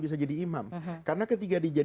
bisa jadi imam karena ketika